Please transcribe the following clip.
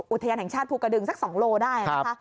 อุทยานแห่งชาติภูกระดึงสัก๒โลได้นะคะ